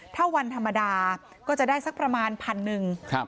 ถ้าวันธรรมดาก็จะได้สักประมาณ๑๐๐๐บาท